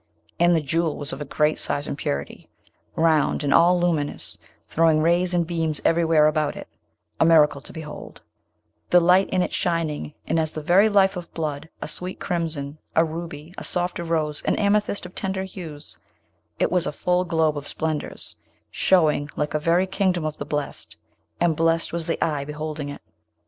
And the Jewel was of great size and purity, round, and all luminous, throwing rays and beams everywhere about it, a miracle to behold, the light in it shining, and as the very life of the blood, a sweet crimson, a ruby, a softer rose, an amethyst of tender hues: it was a full globe of splendours, showing like a very kingdom of the Blest; and blessed was the eye beholding it!